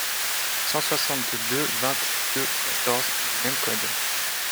cent soixante-deux-vingt-deux-quatorze du même code.